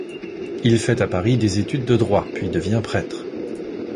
Il fait à Paris des études de droit, puis devient prêtre.